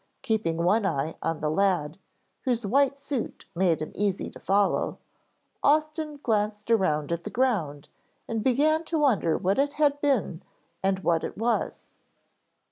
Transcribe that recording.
Keeping one eye on the lad, whose white suit made him easy to follow, Austin glanced around at the ground and began to wonder what it had been and what it was.